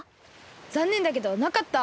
ざんねんだけどなかった。